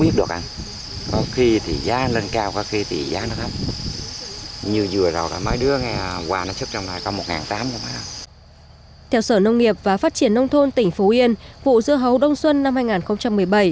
theo sở nông nghiệp và phát triển nông thôn tỉnh phú yên vụ dưa hấu đông xuân năm hai nghìn một mươi bảy